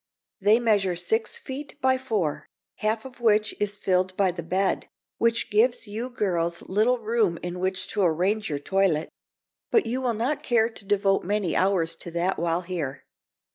They measure six feet by four, half of which is filled by the bed, which gives you girls little room in which to arrange your toilet; but you will not care to devote many hours to that while here.